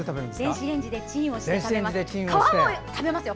電子レンジでチンをして食べますよ。